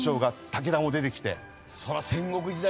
武田も出てきて。